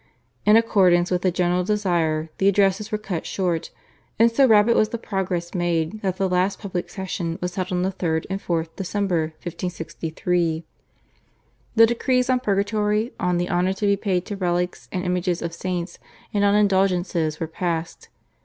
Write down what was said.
In accordance with the general desire the addresses were cut short, and so rapid was the progress made that the last public session was held on the 3rd and 4th December 1563. The decrees on Purgatory, on the honour to be paid to relics and images of Saints and on Indulgences were passed.